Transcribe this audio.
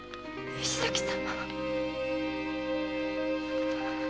石崎様！